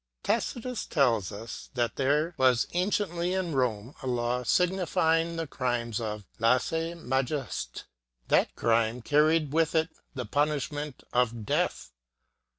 Tacitus tells us that there was anciently in Rome a law specifying the crimes of "16se majest^." That crime car ried with it the punishment of death.